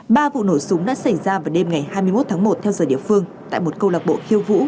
ba vụ nổ súng đã xảy ra vào đêm ngày hai mươi một tháng một theo giờ địa phương tại một câu lạc bộ khiêu vũ